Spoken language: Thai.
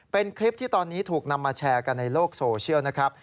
เป็นคลิปที่ตอนนี้ถูกนำมาแชร์กันในโลกโซเชียลนะครับ